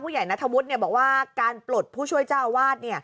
ผู้ใหญ่นัฐวุชบอกว่าการปลดผู้ช่วยเจ้าวาส